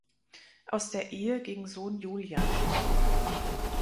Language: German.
Aus der Ehe ging Sohn Julian hervor.